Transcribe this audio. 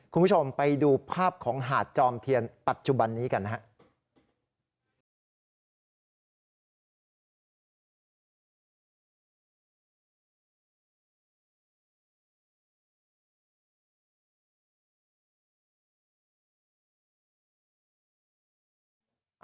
คุณผู้ชมไปดูภาพของหาดจอมเทียนปัจจุบันนี้กันนะครับ